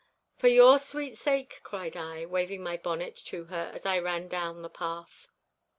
'For your sweet sake,' cried I, waving my bonnet to her as I ran down the path.